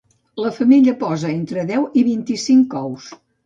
La femella posa entre deu i vint-i-cinc ous.